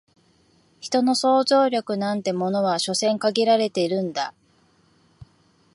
人の想像力なんてものは所詮限られてるんだ